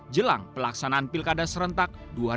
jelang pelaksanaan pilkada serentak dua ribu dua puluh